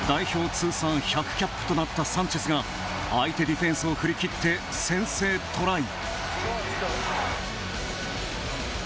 通算１００キャップとなったサンチェスが相手ディフェンスを振り切って先制トライ。